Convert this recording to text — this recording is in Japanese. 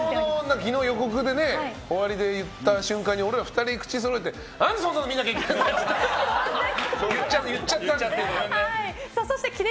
昨日、予告で終わりで言った瞬間に俺ら２人口そろえて何でそんなの見なきゃいけないんだよ！って言っちゃったよね。